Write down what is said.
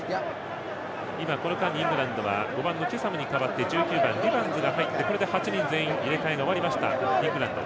この間にイングランドは５番のチェサムに代わって１９番、リバンズが入ってこれで８人全員、入れ替えが終わりました、イングランド。